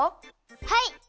はい！